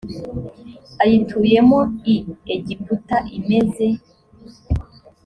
ayituyemo i egiputa imeze